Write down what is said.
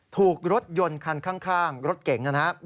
ถูกรถยนต์คันข้างรถเก่งนะครับ